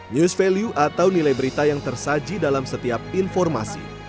news value atau nilai berita yang tersaji dalam setiap informasi